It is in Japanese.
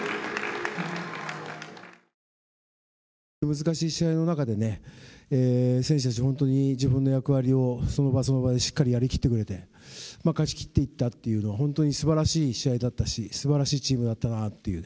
難しい試合の中で選手たち、本当に自分の役割をその場その場でしっかりやりきってくれて、勝ちきっていったというのは本当にすばらしい試合だったしすばらしいチームだったなという。